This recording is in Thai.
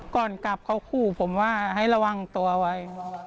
ก่อนกลับเขาขู่ผมว่าให้ระวังตัวไว้